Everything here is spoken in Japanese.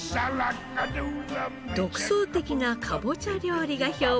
独創的なかぼちゃ料理が評判です。